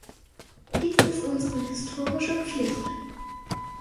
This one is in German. Dies ist unsere historische Pflicht.